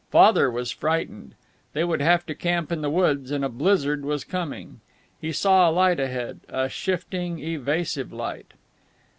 Father was frightened. They would have to camp in the woods and a blizzard was coming. He saw a light ahead, a shifting, evasive light.